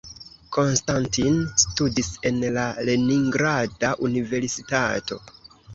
Konstantin studis en la Leningrada Universitato.